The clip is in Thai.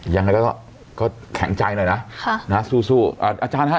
ยังไงก็ก็แข็งใจหน่อยนะค่ะนะสู้สู้อ่าอาจารย์ฮะ